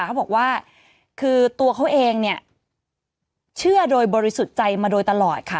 เขาบอกว่าคือตัวเขาเองเนี่ยเชื่อโดยบริสุทธิ์ใจมาโดยตลอดค่ะ